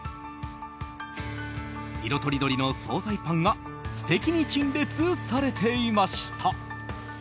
色とりどりの総菜パンが素敵に陳列されていました。